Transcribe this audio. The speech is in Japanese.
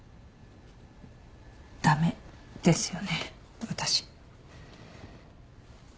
駄目ですよね私。